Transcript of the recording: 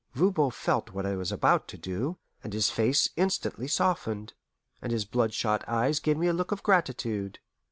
Voban felt what I was about to do, and his face instantly softened, and his blood shot eyes gave me a look of gratitude.